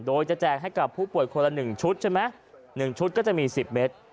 โดยจะแจกให้กับผู้ป่วยคนละ๑ชุดใช่ไหม๑ชุดก็จะมี๑๐เมตร